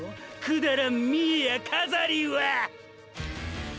くだらん見栄や飾りはァ！！